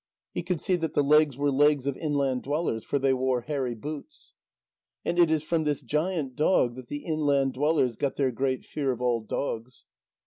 He could see that the legs were legs of inland dwellers, for they wore hairy boots. And it is from this giant dog that the inland dwellers got their great fear of all dogs.